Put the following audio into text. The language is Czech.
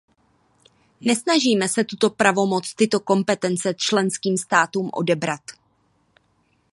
Nesnažíme se tuto pravomoc, tyto kompetence členským státům odebrat.